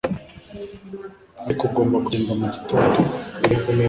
ariko ugomba kugenda mugitondo